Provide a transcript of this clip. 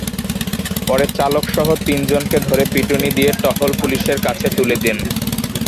পরে চালকসহ তিনজনকে ধরে পিটুনি দিয়ে টহল পুলিশের কাছে তুলে দেন।